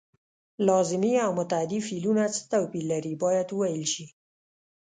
لازمي او متعدي فعلونه څه توپیر لري باید وویل شي.